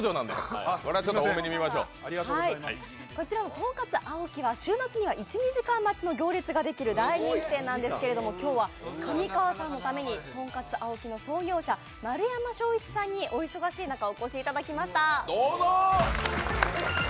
とんかつ檍は週末には１２時間待ちができる大人気店なんですけども、今日は上川さんのためにとんかつ檍の創業者、丸山正一さんにお忙しい中、お越しいただきました。